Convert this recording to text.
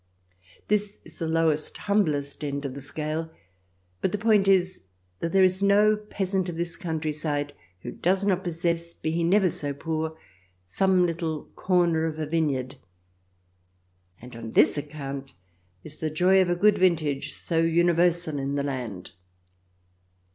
This is the lowest, humblest end of the scale, but the point is that there is no peasant of this countryside who does not possess, be he never so poor, some little corner of a vineyard, and on this account is the joy of a good vintage so universal in the land.